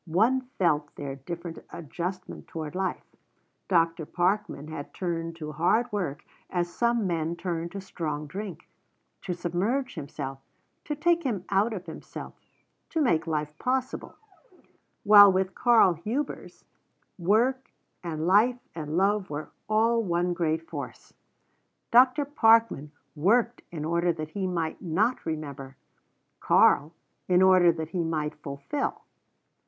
One felt their different adjustment toward life. Dr. Parkman had turned to hard work as some men turn to strong drink, to submerge himself, to take him out of himself, to make life possible; while with Karl Hubers, work and life and love were all one great force. Dr. Parkman worked in order that he might not remember; Karl in order that he might fulfill.